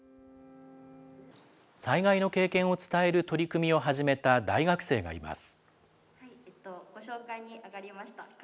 災害の経験を伝える取り組みを始めた大学生がいます。